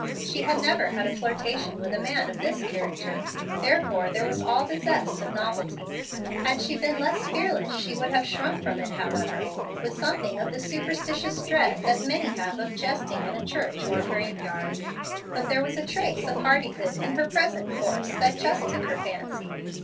She had never had a flirtation with a man of this character, therefore there was all the zest of novelty. Had she been less fearless, she would have shrunk from it, however, with something of the superstitious dread that many have of jesting in a church, or a graveyard. But there was a trace of hardihood in her present course that just took her fancy.